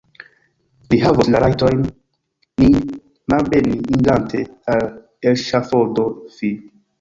Li havos la rajton nin malbeni, irante al eŝafodo: fi!